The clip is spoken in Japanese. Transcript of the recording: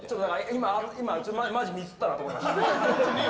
今、マジミスったなと思いました。